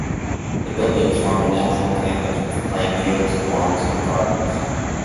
The buildings form a natural campus, with playing fields, lawns and gardens.